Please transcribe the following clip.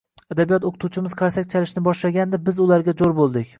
Adabiyot o`qituvchimiz qarsak chalishni boshlagandi biz ularga jo`r bo`ldik